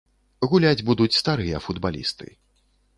Гуляць будуць старыя футбалісты.